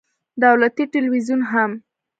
دولتي ټلویزیون هم